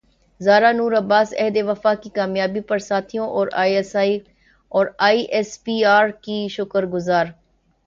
زارا نور عباس عہد وفا کی کامیابی پر ساتھیوں اور ائی ایس پی ار کی شکر گزار